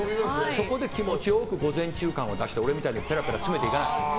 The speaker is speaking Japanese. そこで気持ちよく午前中感を出して俺みたいに詰めていかない。